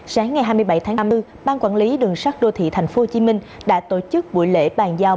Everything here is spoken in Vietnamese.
sáng ngày hai mươi bảy tháng năm ban quản lý đường sắt đô thị tp hcm đã tổ chức buổi lễ bàn giao